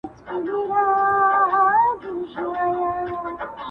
• وئېل ئې د ساه ګانو جوارۍ وته حيران دي -